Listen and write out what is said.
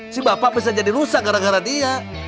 si bapak bisa jadi rusak gara gara dia